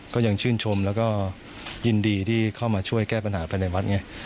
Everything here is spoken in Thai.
ก็ยังชื่นชมแล้วก็ยินดีที่เข้ามาช่วยแก้ปัญหาภายในวัดไง